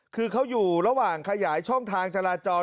คือเขาอยู่ระหว่างขยายช่องทางจราจร